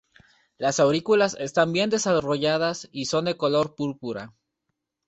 Las aurículas están bien desarrolladas, y son de color púrpura.